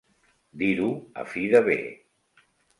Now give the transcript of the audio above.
Dir-ho a fi de bé.